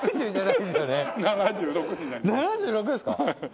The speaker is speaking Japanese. ７６ですか！